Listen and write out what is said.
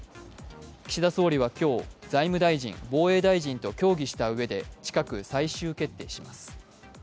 岸田総理は今日、財務大臣防衛大臣と協議したうえで近く最終決定します。